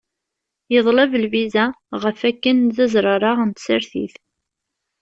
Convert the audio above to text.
Yeḍleb lviza ɣef akken d azrazaɣ n tsertit.